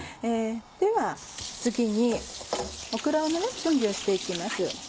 では次にオクラの準備をして行きます。